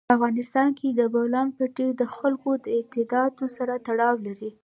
په افغانستان کې د بولان پټي د خلکو د اعتقاداتو سره تړاو لري.